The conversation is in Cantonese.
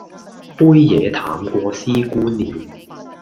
杯野淡過師姑尿